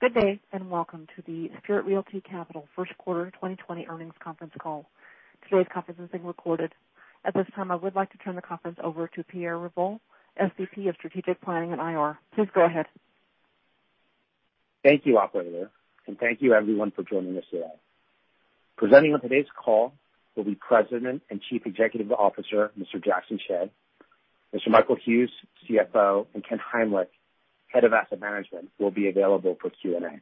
Good day. Welcome to the Spirit Realty Capital First Quarter 2020 Earnings Conference Call. Today's conference is being recorded. At this time, I would like to turn the conference over to Pierre Revol, SVP of Strategic Planning and IR. Please go ahead. Thank you, operator, and thank you everyone for joining us today. Presenting on today's call will be President and Chief Executive Officer, Mr. Jackson Hsieh. Mr. Michael Hughes, CFO, and Ken Heimlich, Head of Asset Management, will be available for Q&A.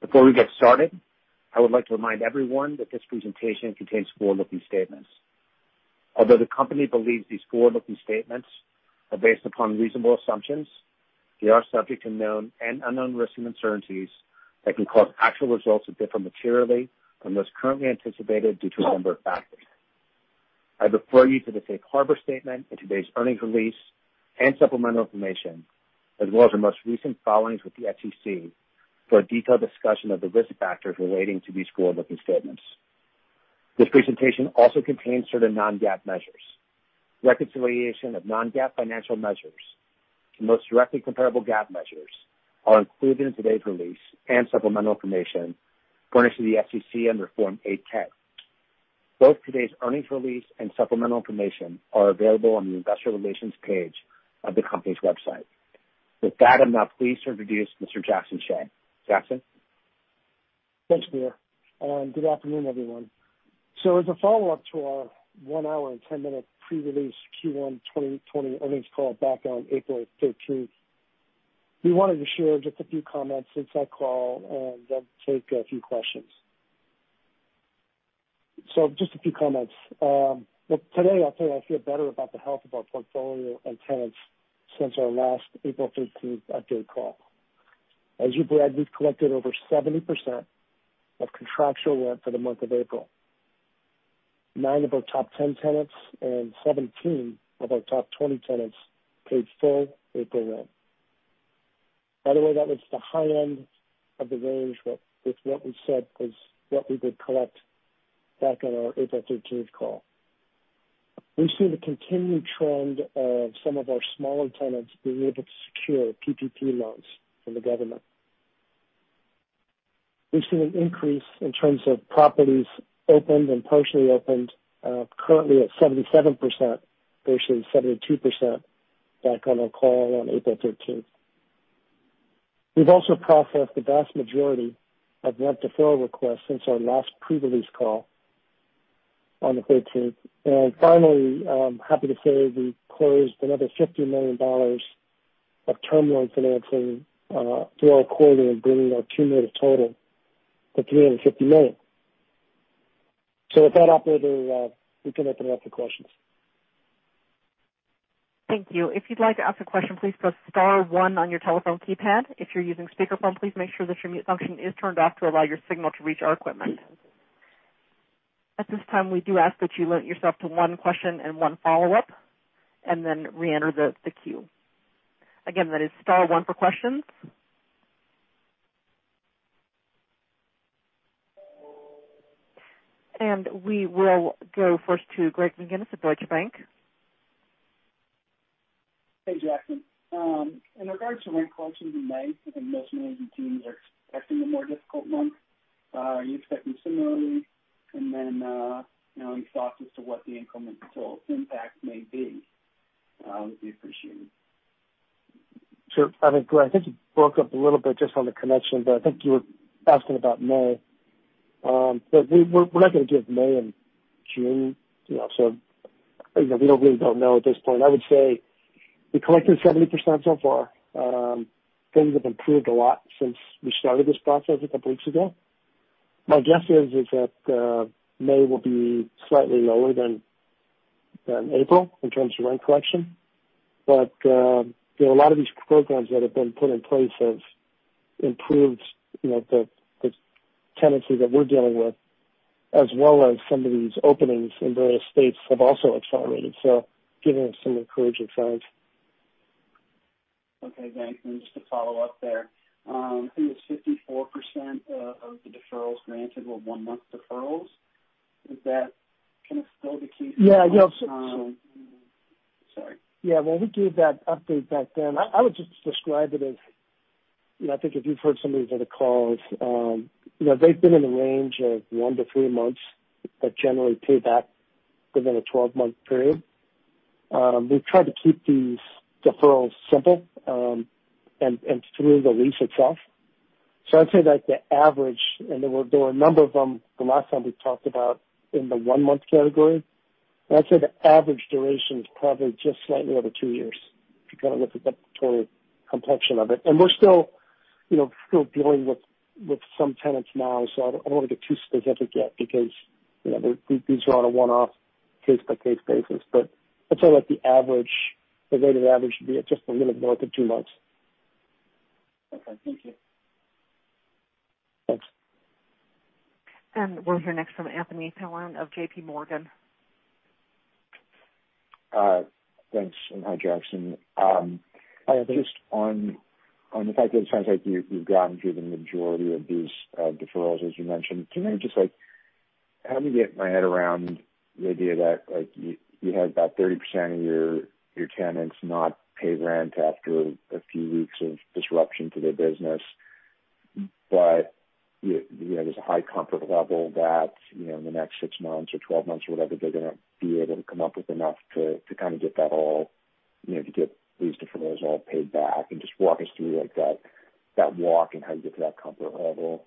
Before we get started, I would like to remind everyone that this presentation contains forward-looking statements. Although the company believes these forward-looking statements are based upon reasonable assumptions, they are subject to known and unknown risks and uncertainties that can cause actual results to differ materially from those currently anticipated due to a number of factors. I refer you to the safe harbor statement in today's earnings release and supplemental information, as well as our most recent filings with the SEC for a detailed discussion of the risk factors relating to these forward-looking statements. This presentation also contains certain non-GAAP measures. Reconciliation of non-GAAP financial measures to the most directly comparable GAAP measures are included in today's release and supplemental information furnished to the SEC under Form 8-K. Both today's earnings release and supplemental information are available on the investor relations page of the company's website. With that, I'm now pleased to introduce Mr. Jackson Hsieh. Jackson. Thanks, Pierre. Good afternoon, everyone. As a follow-up to our one hour and 10 minute pre-release Q1 2020 earnings call back on April 13th, we wanted to share just a few comments since that call and then take a few questions. Just a few comments. Well, today I'll tell you I feel better about the health of our portfolio and tenants since our last April 13th update call. As you've read, we've collected over 70% of contractual rent for the month of April. Nine of our top 10 tenants and 17 of our top 20 tenants paid full April rent. By the way, that was the high end of the range with what we said was what we would collect back on our April 13th call. We've seen a continued trend of some of our smaller tenants being able to secure PPP loans from the government. We've seen an increase in terms of properties opened and partially opened, currently at 77%, versus 72% back on our call on April 13th. We've also processed the vast majority of rent deferral requests since our last pre-release call on the 13th. Finally, I'm happy to say we closed another $50 million of term loan financing through our quarter, bringing our cumulative total to $350 million. With that, operator, we can open it up to questions. Thank you. If you'd like to ask a question, please press star one on your telephone keypad. If you're using speakerphone, please make sure that your mute function is turned off to allow your signal to reach our equipment. At this time, we do ask that you limit yourself to one question and one follow-up, and then re-enter the queue. Again, that is star one for questions. We will go first to Greg McGinniss at Scotiabank. Hey, Jackson. In regards to rent collections in May, I think most management teams are expecting a more difficult month. Are you expecting similarly? Any thoughts as to what the incremental impact may be would be appreciated. Sure. I think you broke up a little bit just on the connection, I think you were asking about May. We're not going to do it May and June. We really don't know at this point. I would say we collected 70% so far. Things have improved a lot since we started this process a couple of weeks ago. My guess is that May will be slightly lower than April in terms of rent collection. There are a lot of these programs that have been put in place have improved the tenancy that we're dealing with, as well as some of these openings in various states have also accelerated, so giving us some encouraging signs. Okay, thanks. Just to follow up there. I think it's 54% of the deferrals granted were one-month deferrals. Is that still the case? Yeah. Sorry. Well, we gave that update back then. I would just describe it as I think if you've heard some of these other calls, they've been in the range of one to three months, but generally paid back within a 12-month period. We've tried to keep these deferrals simple and through the lease itself. I'd say that the average, and there were a number of them the last time we talked about in the one-month category. I'd say the average duration is probably just slightly over two years, if you kind of look at the total complexion of it. We're still dealing with some tenants now, so I don't want to get too specific yet because these are on a one-off case-by-case basis. I'd say that the weighted average should be at just a little north of two months. Okay. Thank you. Thanks. We'll hear next from Anthony Paolone of JPMorgan. Thanks, hi, Jackson. Hi, Anthony. Just on the fact that it sounds like you've gotten through the majority of these deferrals, as you mentioned. Can you just Having to get my head around the idea that you had about 30% of your tenants not pay rent after a few weeks of disruption to their business. There's a high comfort level that in the next six months or 12 months or whatever, they're going to be able to come up with enough to get these deferrals all paid back and just walk us through that walk and how you get to that comfort level.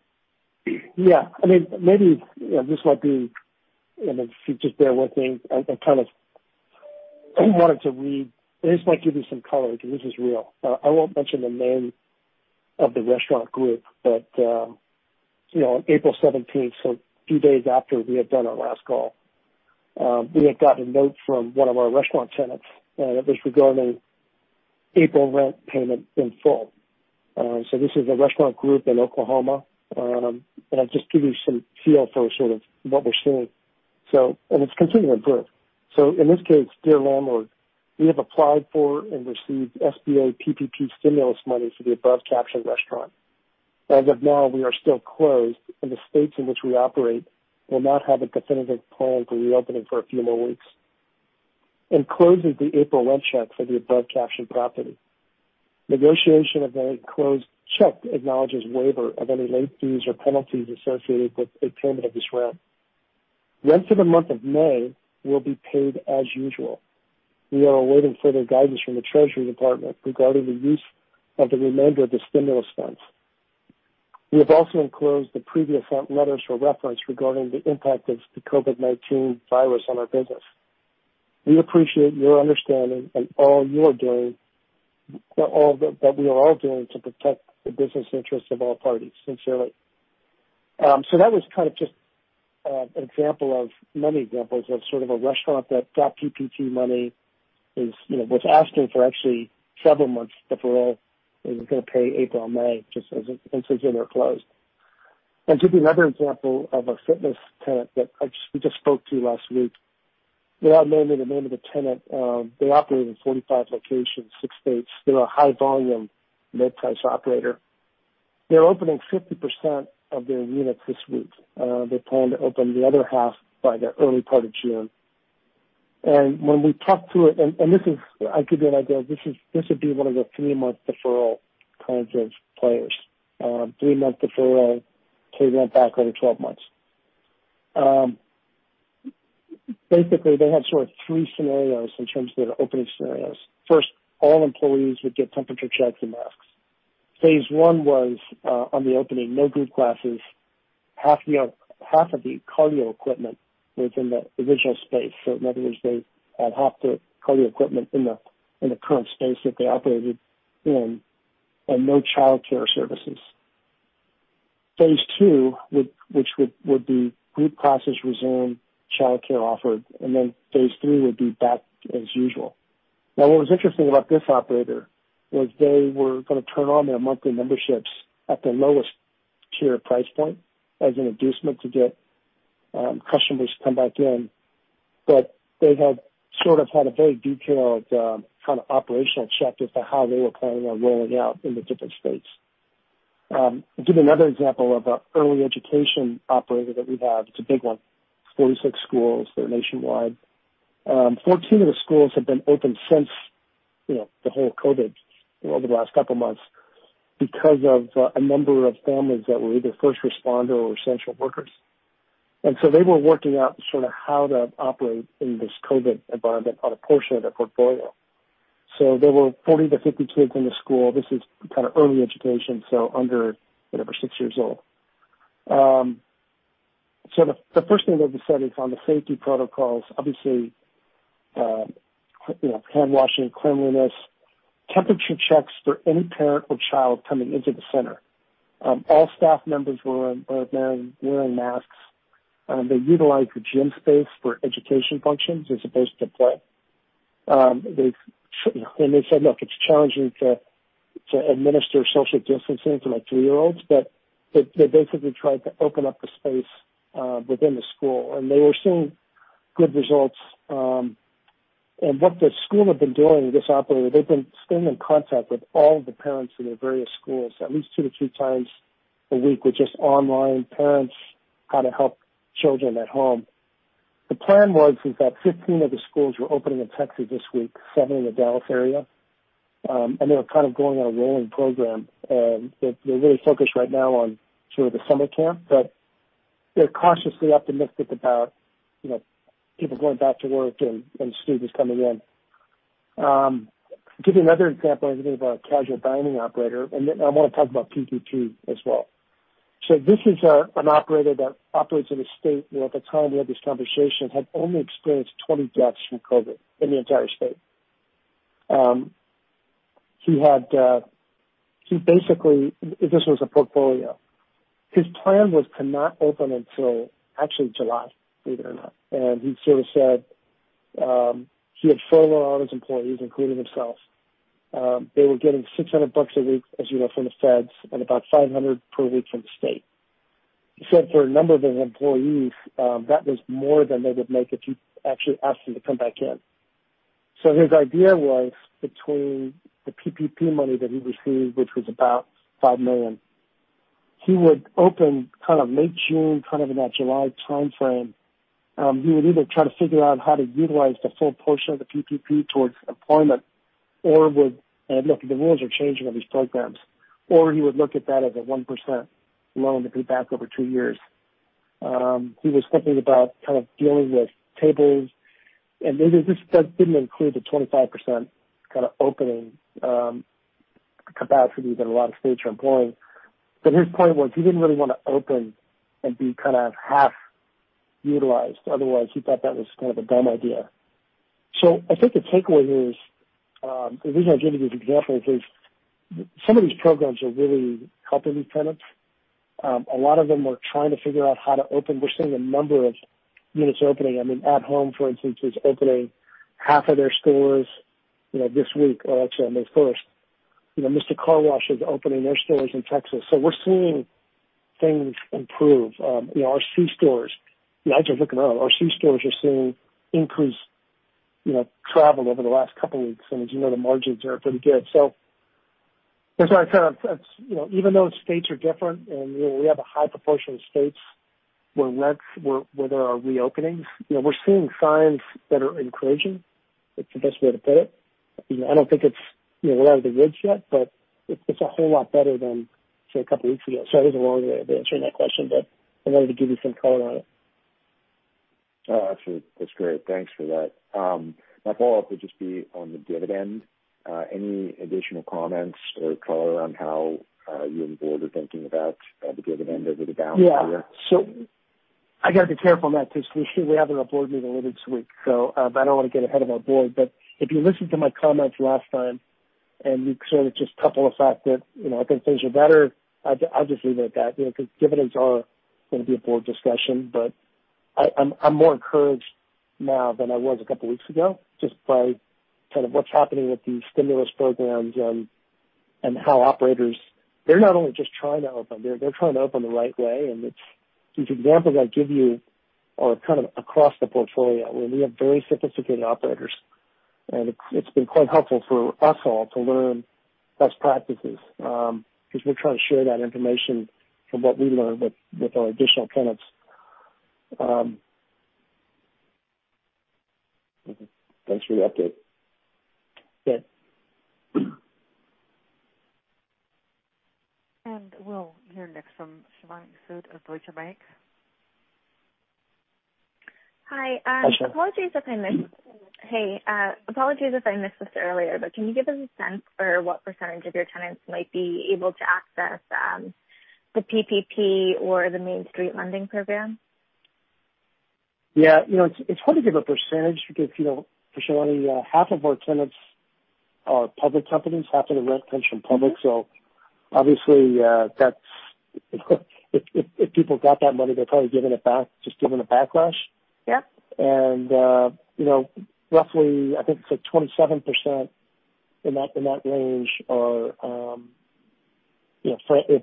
Maybe this might be just bear with me. I wanted to read. This might give you some color because this is real. I won't mention the name of the restaurant group. On April 17th, a few days after we had done our last call, we had gotten a note from one of our restaurant tenants. It was regarding April rent payment in full. This is a restaurant group in Oklahoma. I'll just give you some feel for sort of what we're seeing. It's continuing to improve. In this case, "Dear landlord, we have applied for and received SBA PPP stimulus money for the above-captioned restaurant." As of now, we are still closed. The states in which we operate will not have a definitive plan for reopening for a few more weeks. Enclosed is the April rent check for the above-captioned property. Negotiation of the enclosed check acknowledges waiver of any late fees or penalties associated with the payment of this rent. Rent for the month of May will be paid as usual. We are awaiting further guidance from the Treasury Department regarding the use of the remainder of the stimulus funds. We have also enclosed the previous sent letters for reference regarding the impact of the COVID-19 virus on our business. We appreciate your understanding and all you are doing, that we are all doing to protect the business interests of all parties. Sincerely." That was kind of just an example of many examples of sort of a restaurant that got PPP money, was asking for actually several months deferral and was going to pay April and May just since they're closed. I'll give you another example of a fitness tenant that we just spoke to last week. Without naming the name of the tenant, they operate in 45 locations, six states. They're a high-volume, mid-size operator. They're opening 50% of their units this week. They plan to open the other half by the early part of June. When we talked through it, and I'll give you an idea, this would be one of the three-month deferral kinds of players. Three-month deferral, pay rent back over 12 months. Basically, they had sort of three scenarios in terms of their opening scenarios. First, all employees would get temperature checks and masks. Phase one was, on the opening, no group classes, half of the cardio equipment within the original space. In other words, they had half the cardio equipment in the current space that they operated in and no childcare services. Phase II, which would be group classes resume, childcare offered, and then phase III would be back as usual. What was interesting about this operator was they were going to turn on their monthly memberships at the lowest tier price point as an inducement to get customers to come back in. They had sort of had a very detailed kind of operational check as to how they were planning on rolling out in the different states. I'll give you another example of an early education operator that we have. It's a big one, 46 schools. They're nationwide. 14 of the schools have been open since the whole COVID-19 over the last couple of months because of a number of families that were either first responder or essential workers. They were working out sort of how to operate in this COVID-19 environment on a portion of their portfolio. There were 40-50 kids in the school. This is kind of early education, under six years old. The first thing they decided on the safety protocols, obviously, handwashing, cleanliness, temperature checks for any parent or child coming into the center. All staff members were wearing masks. They utilized the gym space for education functions as opposed to play. They said, look, it's challenging to administer social distancing for three-year-olds, but they basically tried to open up the space within the school, and they were seeing good results. What the school had been doing, this operator, they've been staying in contact with all the parents in their various schools at least two to three times a week with just online parents, how to help children at home. The plan was, is that 15 of the schools were opening in Texas this week, seven in the Dallas area. They were kind of going on a rolling program. They're really focused right now on sort of the summer camp, but they're cautiously optimistic about people going back to work and students coming in. I'll give you another example. I give you of a casual dining operator, and I want to talk about PPP as well. This is an operator that operates in a state where at the time we had this conversation, had only experienced 20 deaths from COVID in the entire state. This was a portfolio. His plan was to not open until actually July, believe it or not. He sort of said, he had furloughed all his employees, including himself. They were getting $600 a week, as you know, from the Feds and about $500 per week from the state. He said for a number of his employees, that was more than they would make if you actually asked them to come back in. His idea was between the PPP money that he received, which was about $5 million. He would open kind of late June, kind of in that July timeframe. He would either try to figure out how to utilize the full portion of the PPP towards employment. Look, the rules are changing on these programs. He would look at that as a 1% loan to pay back over two years. He was thinking about kind of dealing with tables, and this did not include the 25% kind of opening capacity that a lot of states are employing. His point was he didn't really want to open and be kind of half utilized otherwise. He thought that was kind of a dumb idea. I think the takeaway here is, the reason I've given you these examples is some of these programs are really helping these tenants. A lot of them are trying to figure out how to open. We're seeing a number of units opening. I mean, At Home, for instance, is opening half of their stores this week, or actually on May 1st. Mister Car Wash is opening their stores in Texas. We're seeing things improve. Our C-stores. I was just looking it up. Our C-stores are seeing increased travel over the last couple of weeks, and as you know, the margins are pretty good. Even though states are different and we have a high proportion of states where there are reopenings, we're seeing signs that are encouraging. That's the best way to put it. I don't think it's out of the woods yet, but it's a whole lot better than, say, a couple of weeks ago. Sorry, it was a long way of answering that question, but I wanted to give you some color on it. Actually, that's great. Thanks for that. My follow-up would just be on the dividend. Any additional comments or color on how you and the board are thinking about the dividend over the balance here? Yeah. I got to be careful on that because we actually have our board meeting a little bit this week, so I don't want to get ahead of our board. If you listen to my comments last time and you sort of just couple the fact that I think things are better, I'll just leave it at that, because dividends are going to be a board discussion. I'm more encouraged now than I was a couple weeks ago just by sort of what's happening with these stimulus programs and how operators, they're not only just trying to open, they're trying to open the right way. These examples I give you are kind of across the portfolio where we have very sophisticated operators, and it's been quite helpful for us all to learn best practices because we're trying to share that information from what we learn with our additional tenants. Thanks for the update. Good. We'll hear next from Shivani Sood of Deutsche Bank. Hi, Shivani. Hey. Apologies if I missed this earlier, but can you give us a sense for what % of your tenants might be able to access the PPP or the Main Street Lending Program? Yeah. It's hard to give a % because, Shivani, half of our tenants are public companies, half of them rent tenants from public. Obviously, if people got that money, they're probably giving it back, just given the backlash. Yep. Roughly, I think it's like 27% in that range are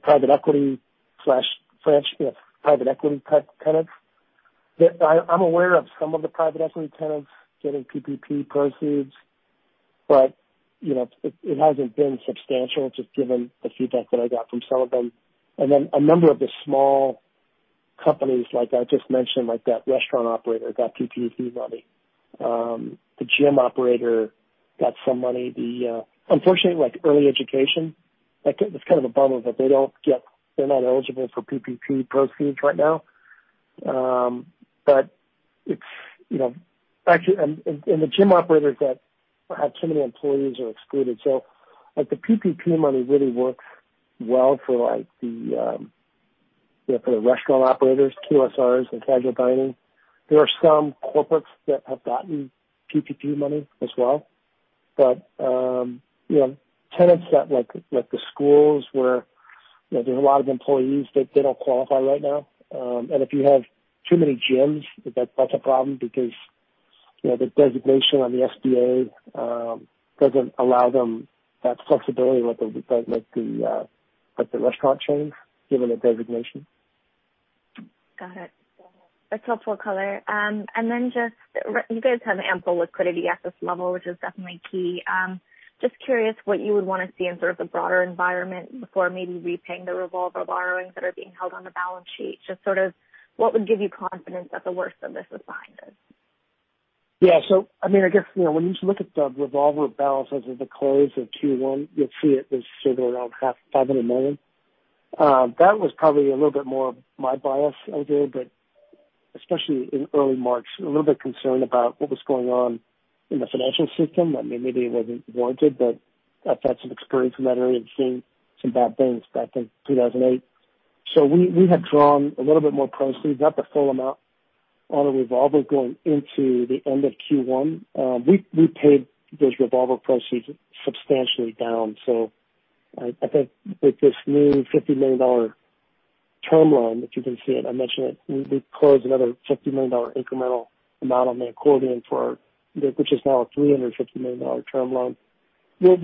private equity-type tenants. I'm aware of some of the private equity tenants getting PPP proceeds, but it hasn't been substantial, just given the feedback that I got from some of them. A number of the small companies, like I just mentioned, like that restaurant operator got PPP money. The gym operator got some money. Unfortunately, like early education, it's kind of a bummer that they're not eligible for PPP proceeds right now. The gym operators that have too many employees are excluded. The PPP money really works well for the restaurant operators, QSRs, and casual dining. There are some corporates that have gotten PPP money as well. Tenants like the schools where there's a lot of employees, they don't qualify right now. If you have too many gyms, that's a problem because the designation on the SBA doesn't allow them that flexibility like the restaurant chains, given the designation. Got it. That's helpful color. Just you guys have ample liquidity at this level, which is definitely key. Just curious what you would want to see in sort of the broader environment before maybe repaying the revolver borrowings that are being held on the balance sheet. Just sort of what would give you confidence that the worst of this is behind us? Yeah. I guess when you look at the revolver balance as of the close of Q1, you'll see it was sitting around $500 million. That was probably a little bit more of my bias I did, but especially in early March, a little bit concerned about what was going on in the financial system. Maybe it wasn't warranted, but I've had some experience in that area and seen some bad things back in 2008. We had drawn a little bit more proceeds, not the full amount on the revolver going into the end of Q1. We paid those revolver proceeds substantially down. I think with this new $50 million term loan that you can see, and I mentioned it, we closed another $50 million incremental amount on the accordion which is now a $350 million term loan. We'll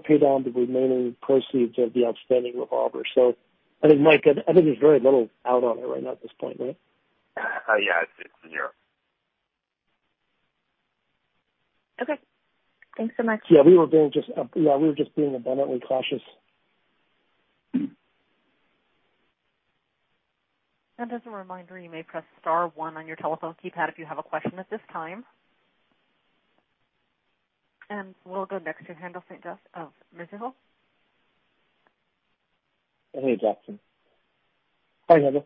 pay down the remaining proceeds of the outstanding revolver. I think, Mike, I think there's very little out on it right now at this point, right? Yeah, it's zero. Okay. Thanks so much. Yeah, we were just being abundantly cautious. As a reminder, you may press star one on your telephone keypad if you have a question at this time. We'll go next to Haendel St. Juste of Mizuho. Hey, Jackson. Hi, Haendel.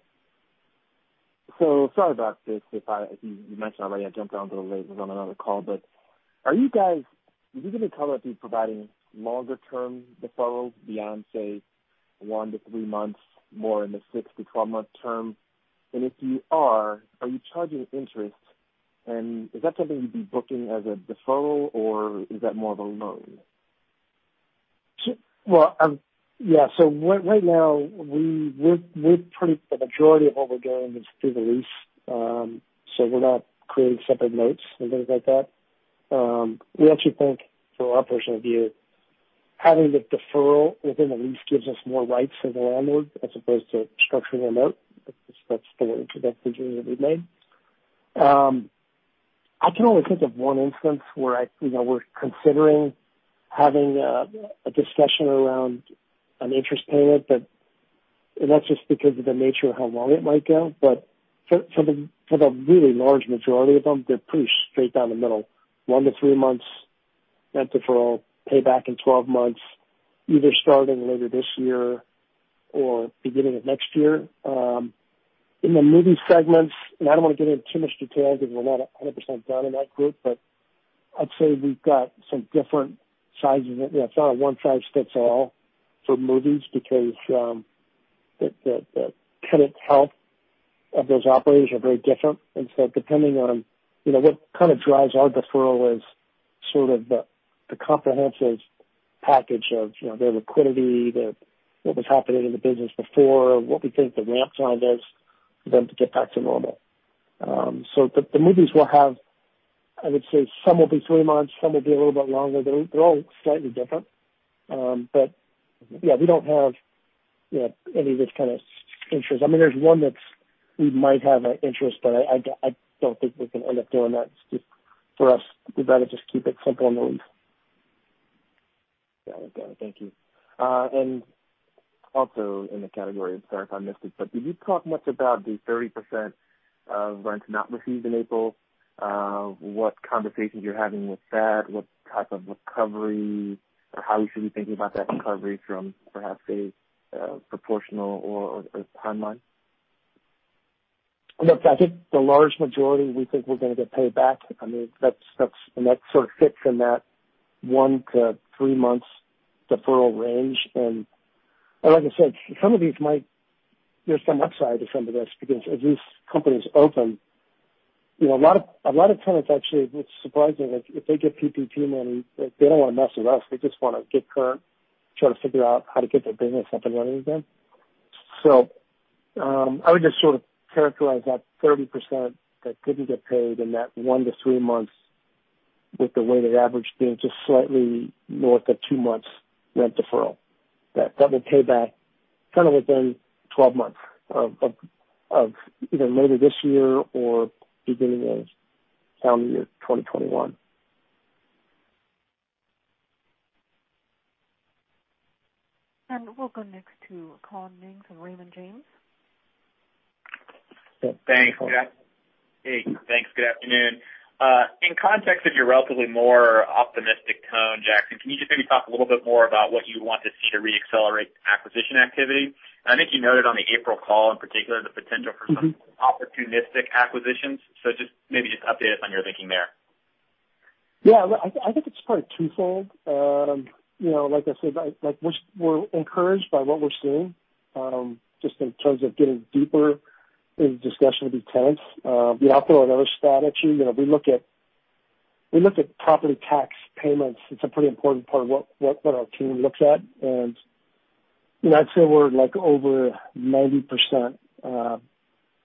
Sorry about this. As you mentioned already, I jumped on a little late. Was on another call. Are you guys, would you be comfortable actually providing longer term deferrals beyond, say, one to three months, more in the 6-12 month term? If you are you charging interest, and is that something you'd be booking as a deferral, or is that more of a loan? Yeah. Right now, the majority of what we're doing is through the lease. We're not creating separate notes and things like that. We actually think, from our personal view, having the deferral within the lease gives us more rights as a landlord as opposed to structuring a note. That's the way that we made. I can only think of one instance where we're considering having a discussion around an interest payment, and that's just because of the nature of how long it might go. For the really large majority of them, they're pretty straight down the middle. One to three months rent deferral, pay back in 12 months, either starting later this year or beginning of next year. In the movie segments, and I don't want to get into too much detail because we're not 100% done in that group, but I'd say we've got some different sizes. It's not a one size fits all for movies because the tenant health of those operators are very different. Depending on what kind of drives our deferral is sort of the comprehensive package of their liquidity, what was happening in the business before, what we think the ramp time is for them to get back to normal. The movies will have, I would say some will be three months, some will be a little bit longer. They're all slightly different. Yeah, we don't have any of this kind of interest. I mean, there's one that we might have an interest, but I don't think we're going to end up doing that. For us, we'd rather just keep it simple and move. Got it. Thank you. Also in the category, and sorry if I missed it, but did you talk much about the 30% of rent not received in April? What conversations you're having with that, what type of recovery, or how we should be thinking about that recovery from perhaps a proportional or timeline? Look, I think the large majority we think we're going to get paid back. That sort of fits in that one to three months deferral range. Like I said, there's some upside to some of this because as these companies open, a lot of tenants actually, it's surprising, if they get PPP money, they don't want to mess with us. They just want to get current, try to figure out how to get their business up and running again. I would just sort of characterize that 30% that couldn't get paid in that one to three months with the weighted average being just slightly north of two months rent deferral. That will pay back kind of within 12 months of either later this year or beginning of calendar year 2021. We'll go next to Collin Mings from Raymond James. Thanks. Hey, thanks. Good afternoon. In context of your relatively more optimistic tone, Jackson, can you just maybe talk a little bit more about what you want to see to re-accelerate acquisition activity? I think you noted on the April call, in particular, the potential for some opportunistic acquisitions. Just maybe update us on your thinking there. I think it's probably twofold. Like I said, we're encouraged by what we're seeing, just in terms of getting deeper in discussion with these tenants. We also throw another stat at you. We look at property tax payments. It's a pretty important part of what our team looks at. I'd say we're like over 90%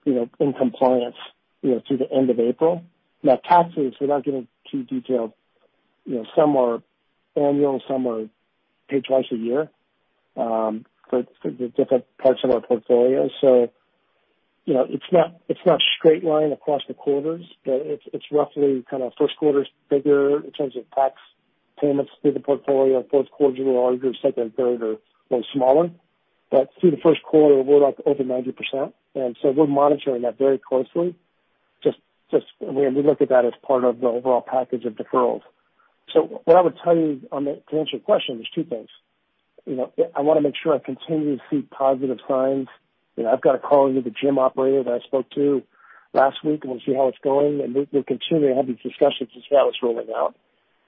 in compliance through the end of April. Now, taxes, without getting too detailed, some are annual, some are paid twice a year, for the different parts of our portfolio. It's not straight line across the quarters, but it's roughly kind of first quarter is bigger in terms of tax payments through the portfolio. Fourth quarter is a little larger, second and third are a little smaller. Through the first quarter, we're like over 90%. We're monitoring that very closely. We look at that as part of the overall package of deferrals. What I would tell you to answer your question, there's two things. I want to make sure I continue to see positive signs. I've got a call into the gym operator that I spoke to last week, we'll see how it's going. We're continuing to have these discussions to see how it's rolling out.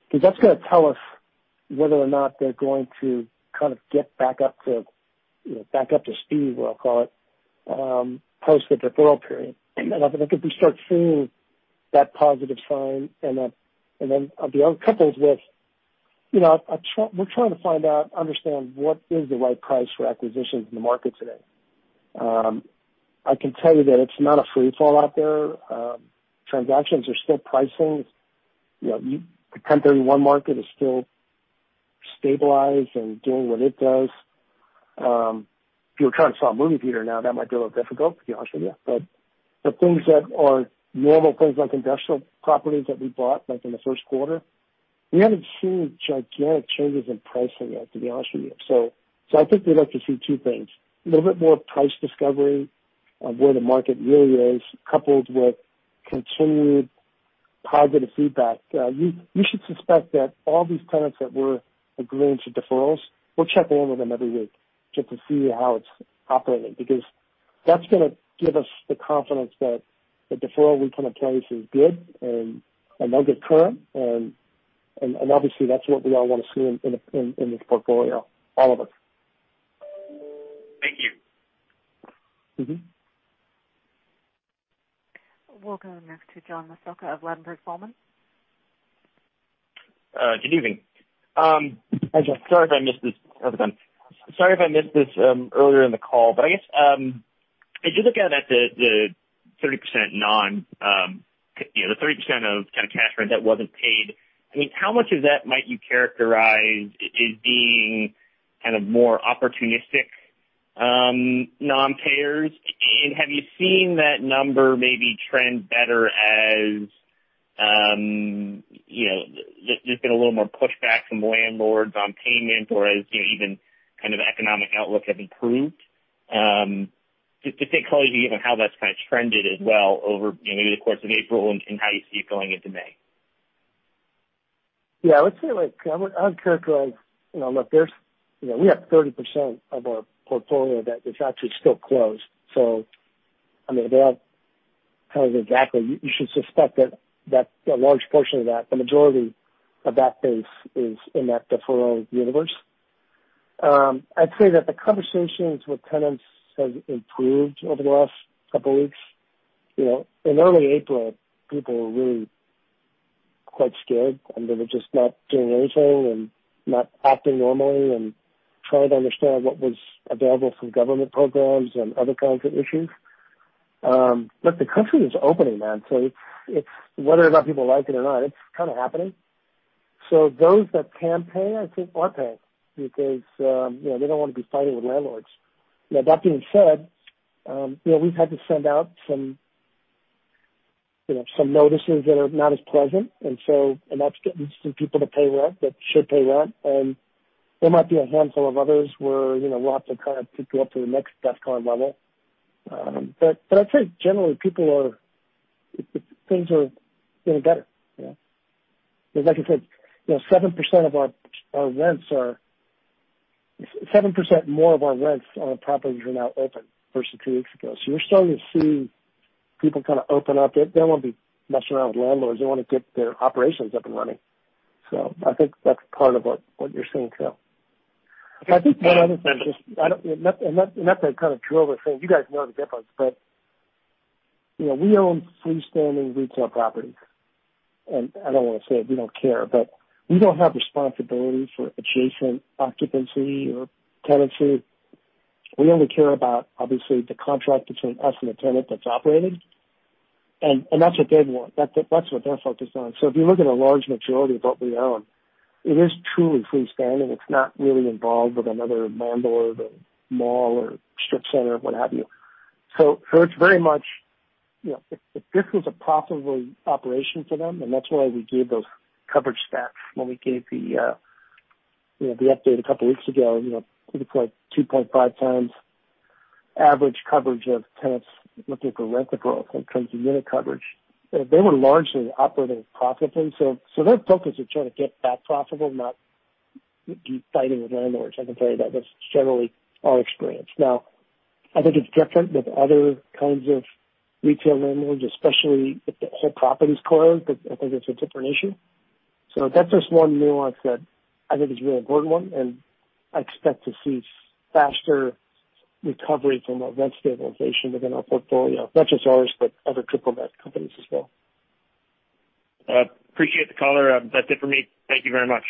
Because that's going to tell us whether or not they're going to kind of get back up to speed, we'll call it, post the deferral period. I think if we start seeing that positive sign and then coupled with, we're trying to find out, understand what is the right price for acquisitions in the market today. I can tell you that it's not a free-for-all out there. Transactions are still pricing. The 1031 market is still stabilized and doing what it does. If you were trying to sell a movie theater now, that might be a little difficult, to be honest with you. The things that are normal, things like industrial properties that we bought in the first quarter, we haven't seen gigantic changes in pricing yet, to be honest with you. I think we'd like to see two things. A little bit more price discovery of where the market really is, coupled with continued positive feedback. You should suspect that all these tenants that we're agreeing to deferrals, we're checking in with them every week just to see how it's operating, because that's going to give us the confidence that the deferral we can obtain is good and on good term. Obviously, that's what we all want to see in this portfolio, all of us. Thank you. We'll go next to John Massocca of Ladenburg Thalmann. Good evening. Hi, John. Sorry if I missed this earlier in the call, but I guess, as you look out at the 30% of kind of cash rent that wasn't paid, how much of that might you characterize as being kind of more opportunistic non-payers? Have you seen that number maybe trend better as there's been a little more pushback from landlords on payment or as even kind of economic outlook have improved? Just to take color on even how that's kind of trended as well over maybe the course of April and how you see it going into May. Yeah, I would say, I would characterize, look, we have 30% of our portfolio that is actually still closed. Tell you exactly, you should suspect that a large portion of that, the majority of that base is in that deferral universe. I'd say that the conversations with tenants has improved over the last couple of weeks. In early April, people were really quite scared, and they were just not doing anything and not acting normally and trying to understand what was available from government programs and other kinds of issues. Look, the country is opening, man. Whether or not people like it or not, it's kind of happening. Those that can pay, I think, are paying because they don't want to be fighting with landlords. Now, that being said, we've had to send out some notices that are not as pleasant. That's getting some people to pay rent that should pay rent. There might be a handful of others where we'll have to kind of take it up to the next debt card level. I'd say generally things are getting better. Like I said, 7% more of our rents on our properties are now open versus two weeks ago. You're starting to see people kind of open up. They don't want to be messing around with landlords. They want to get their operations up and running. I think that's part of what you're seeing, too. I think one other thing, just not to kind of drill this thing, you guys know the difference, we own freestanding retail properties. I don't want to say we don't care, we don't have responsibility for adjacent occupancy or tenancy. We only care about, obviously, the contract between us and the tenant that's operating. That's what they want. That's what they're focused on. If you look at a large majority of what we own, it is truly freestanding. It's not really involved with another landlord or mall or strip center, what have you. It's very much, if this was a profitable operation for them, and that's why we gave those coverage stats when we gave the update a couple weeks ago, I think it's like 2.5 times average coverage of tenants looking for rent accrual in terms of unit coverage. They were largely operating profitably. Their focus is trying to get back profitable, not be fighting with landlords. I can tell you that that's generally our experience. I think it's different with other kinds of retail landlords, especially if the whole property is closed. I think that's a different issue. That's just one nuance that I think is a really important one, and I expect to see faster recovery from a rent stabilization within our portfolio, not just ours, but other triple net companies as well. Appreciate the color. That's it for me. Thank you very much.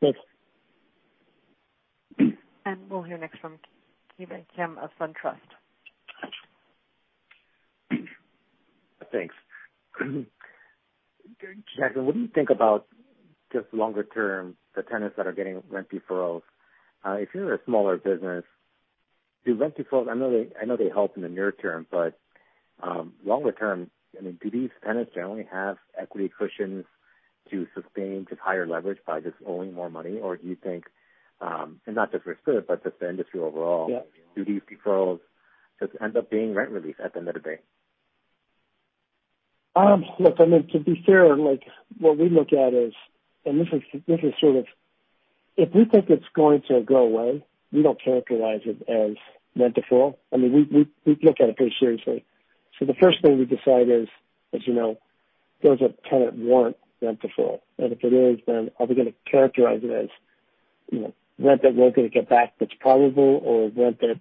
Thanks. We'll hear next from Ki Bin Kim of SunTrust. Thanks. Jackson, what do you think about just longer term, the tenants that are getting rent deferrals? If you're a smaller business, do rent deferrals, I know they help in the near term, but longer term, do these tenants generally have equity cushions to sustain just higher leverage by just owing more money? Or do you think, and not just for us, but just the industry overall? Yeah. Do these deferrals just end up being rent relief at the end of the day? Look, I mean, to be fair, what we look at is, and this is sort of if we think it's going to go away, we don't characterize it as rent deferral. I mean, we look at it pretty seriously. The first thing we decide is, does a tenant want rent deferral? If it is, are we going to characterize it as rent that we're going to get back that's probable, or rent that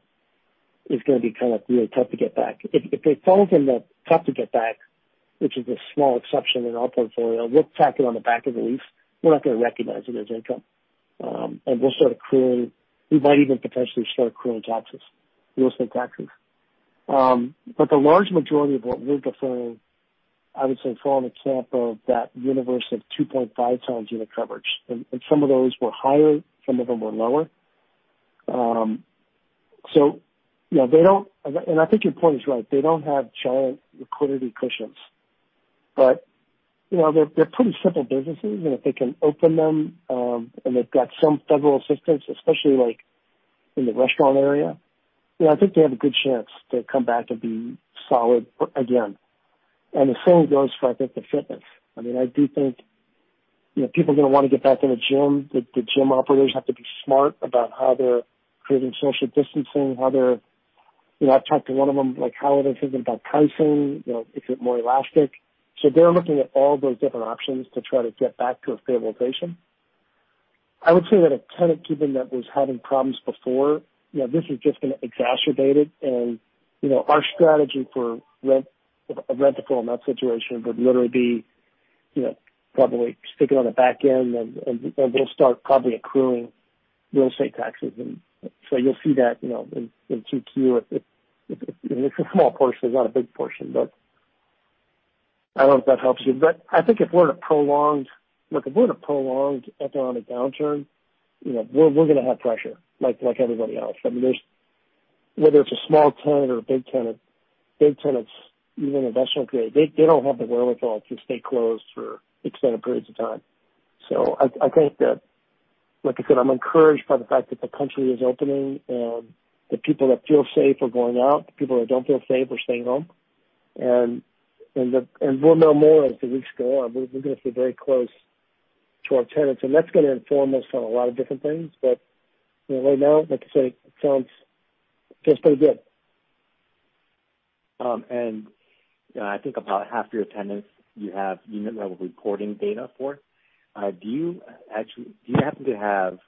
is going to be kind of really tough to get back? If it falls in the tough to get back, which is a small exception in our portfolio. We'll track it on the back of the lease. We're not going to recognize it as income. We'll start accruing. We might even potentially start accruing taxes, real estate taxes. The large majority of what we're deferring, I would say, fall in the camp of that universe of 2.5 times unit coverage. Some of those were higher, some of them were lower. I think your point is right. They don't have giant liquidity cushions. They're pretty simple businesses. If they can open them, and they've got some federal assistance, especially in the restaurant area, I think they have a good chance to come back and be solid again. The same goes for, I think, the fitness. I do think people are going to want to get back in the gym. The gym operators have to be smart about how they're creating social distancing. I've talked to one of them, like, how are they thinking about pricing? Is it more elastic? They're looking at all those different options to try to get back to a stable position. I would say that a tenant keeping that was having problems before, this is just going to exacerbate it. Our strategy for a rent deferral in that situation would literally be probably sticking on the back end, and they'll start probably accruing real estate taxes. You'll see that in 2Q. It's a small portion. It's not a big portion, but I don't know if that helps you. I think if we're in a prolonged economic downturn, we're going to have pressure like everybody else. Whether it's a small tenant or a big tenant, big tenants, even investment grade, they don't have the wherewithal to stay closed for extended periods of time. I think that, like I said, I'm encouraged by the fact that the country is opening and the people that feel safe are going out. The people that don't feel safe are staying home. We'll know more as the weeks go on. We're going to stay very close to our tenants, and that's going to inform us on a lot of different things. Right now, like I say, it feels pretty good. I think about half your tenants you have unit-level reporting data for. Do you happen to have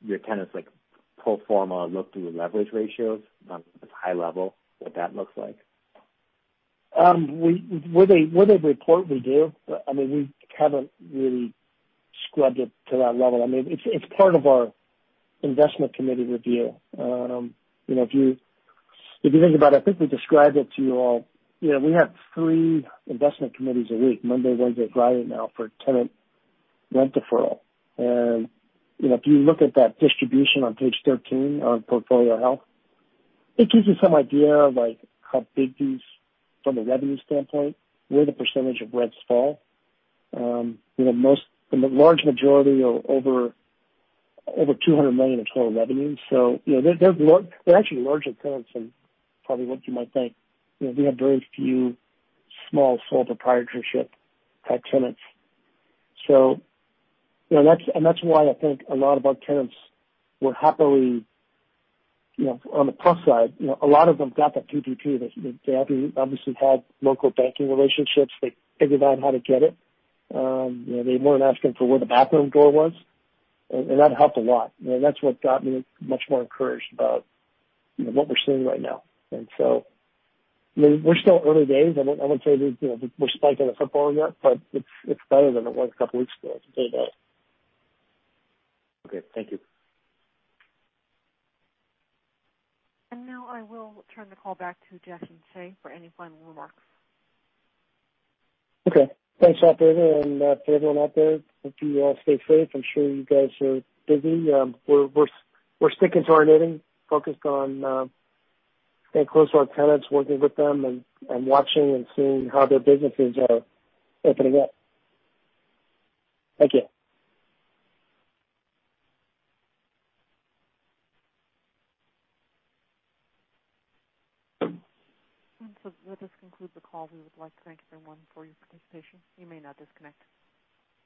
your tenants pro forma look-through leverage ratios, high level, what that looks like? Where they report, we do, but we haven't really scrubbed it to that level. It's part of our investment committee review. If you think about it, I think we described it to you all. We have three investment committees a week, Monday, Wednesday, Friday now for tenant rent deferral. If you look at that distribution on page 13 on portfolio health, it gives you some idea of how big these from a revenue standpoint, where the % of rents fall. The large majority are over $200 million in total revenue. They're actually larger tenants than probably what you might think. We have very few small, sole proprietorship type tenants. That's why I think a lot of our tenants were happily on the plus side. A lot of them got that PPP. They obviously had local banking relationships. They figured out how to get it. They weren't asking for where the bathroom door was, and that helped a lot. That's what got me much more encouraged about what we're seeing right now. We're still early days. I wouldn't say we're spiking the football yet, but it's better than it was a couple of weeks ago, I can tell you that. Okay. Thank you. Now I will turn the call back to Jackson Hsieh for any final remarks. Okay. Thanks, operator. To everyone out there, hope you all stay safe. I'm sure you guys are busy. We're sticking to our knitting, focused on staying close to our tenants, working with them, and watching and seeing how their businesses are opening up. Thank you. That does conclude the call. We would like to thank everyone for your participation. You may now disconnect.